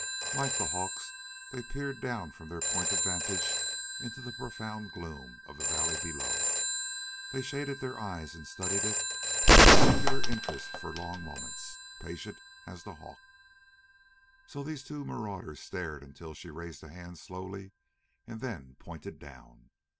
Like the hawks they peered down from their point of vantage into the profound gloom of the valley below. They shaded their eyes and studied it with a singular interest for long moments, patient, as the hawk. So these two marauders stared until she raised a hand slowly and then pointed down.